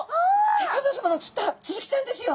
シャーク香音さまの釣ったスズキちゃんですよ。